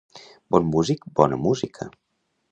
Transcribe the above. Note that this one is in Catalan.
Bon músic, bona música.